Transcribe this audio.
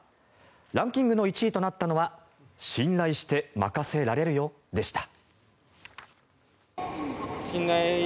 ランキングの１位となったのは信頼して任せられるよでした。